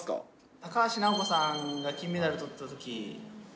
高橋尚子さんが金メダルとったとき。